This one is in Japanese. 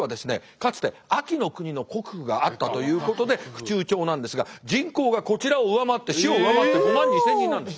かつて安芸国の国府があったということで府中町なんですが人口がこちらを上回って市を上回って５万２，０００人なんです。